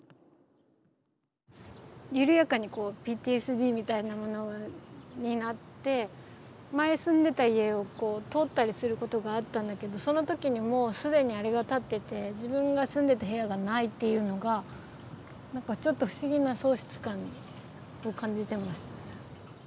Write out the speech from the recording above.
緩やかにＰＴＳＤみたいなものになって前住んでた家をこう通ったりすることがあったんだけどその時にもう既にあれが建ってて自分が住んでた部屋がないっていうのがちょっと不思議な喪失感を感じてました。